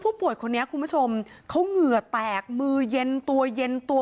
ป่วยคนนี้คุณผู้ชมเขาเหงื่อแตกมือเย็นตัวเย็นตัว